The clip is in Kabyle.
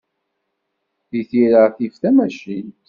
Deg tira tif tamacint.